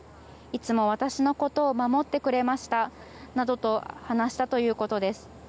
いつも私のことを守ってくれましたなどと話したということです。